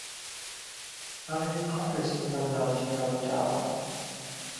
شەڕێکی قوورس لەو ناوچەیە روویداوە